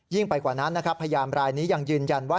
ไปกว่านั้นนะครับพยานรายนี้ยังยืนยันว่า